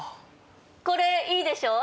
これいいでしょ？